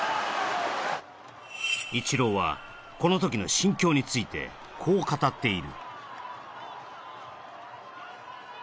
イチローは、このときの心境について、こう語っている。